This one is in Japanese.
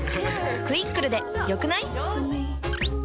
「クイックル」で良くない？